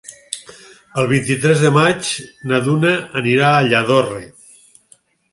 El vint-i-tres de maig na Duna anirà a Lladorre.